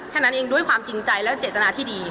แค่นั้นเองด้วยความจริงใจและเจตนาที่ดี